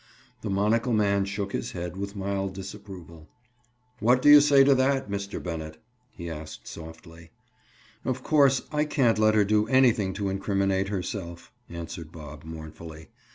The monocle man shook his head with mild disapproval. "What do you say to that, Mr. Bennett?" he asked softly. "Of course I can't let her do anything to incriminate herself," answered Bob mournfully.